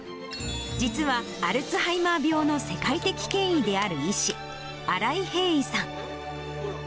実はアルツハイマー病の世界的権威である医師、新井平伊さん。